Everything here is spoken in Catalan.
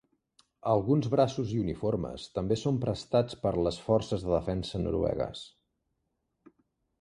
Alguns braços i uniformes també són prestats per les forces de defensa noruegues.